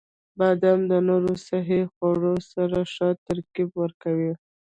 • بادام د نورو صحي خوړو سره ښه ترکیب ورکوي.